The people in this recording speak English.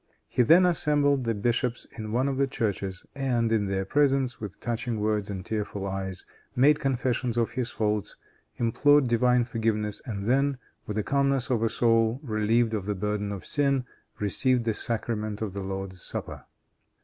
He then assembled the bishops in one of the churches, and, in their presence, with touching words and tearful eyes, made confession of his faults, implored divine forgiveness, and then, with the calmness of a soul relieved of the burden of sin, received the sacrament of the Lord's Supper.